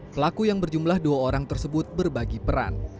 pelaku yang berjumlah dua orang tersebut berbagi peran